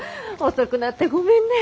遅くなってごめんね。